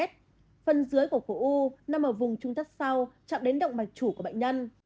phần dưới của khối u nằm ở vùng trung thắt sau chạm đến động mạch chủ của bệnh nhân